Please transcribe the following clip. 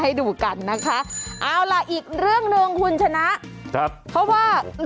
ในอดีตนะโอ๊ยดูสิเห็นไหม